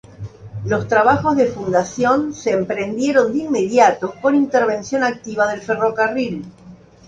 Los trabajos de fundación se emprendieron de inmediato, con intervención activa del ferrocarril.